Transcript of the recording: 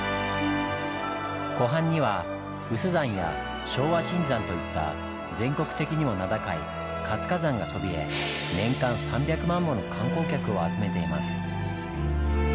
湖畔には有珠山や昭和新山といった全国的にも名高い活火山がそびえ年間３００万もの観光客を集めています。